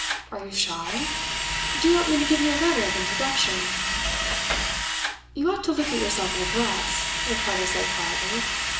Are you shy? Do you want me to give you a letter of introduction?" "You ought to look at yourself in a glass," Ricardo said quietly.